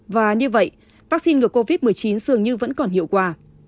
và như vậy vaccine ngừa covid một mươi chín dường như vẫn còn hiệu quả